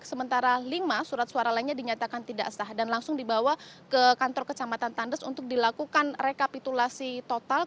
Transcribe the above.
sementara lima surat suara lainnya dinyatakan tidak sah dan langsung dibawa ke kantor kecamatan tandes untuk dilakukan rekapitulasi total